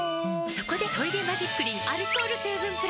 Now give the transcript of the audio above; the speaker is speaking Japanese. そこで「トイレマジックリン」アルコール成分プラス！